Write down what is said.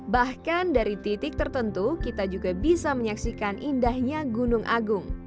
bahkan dari titik tertentu kita juga bisa menyaksikan indahnya gunung agung